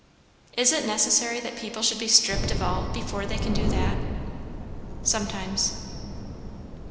"Is it necessary that people should be stripped of all before they can do that?" "Sometimes."